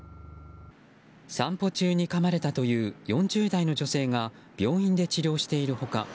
散歩中にかまれたという４０代の女性が病院で治療している他